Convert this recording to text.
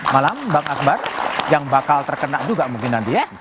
malam bang akbar yang bakal terkena juga mungkin nanti ya